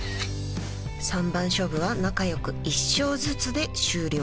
３番勝負は仲良く１勝ずつで終了